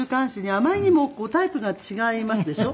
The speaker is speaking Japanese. あまりにもこうタイプが違いますでしょ？